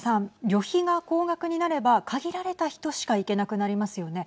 旅費が高額になれば限られた人しか行けなくなりますよね。